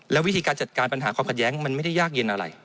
วิธีการจัดการปัญหาความขัดแย้งมันไม่ได้ยากเย็นอะไร